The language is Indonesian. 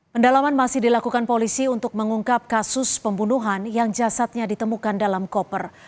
pendalaman masih dilakukan polisi untuk mengungkap kasus pembunuhan yang jasadnya ditemukan dalam koper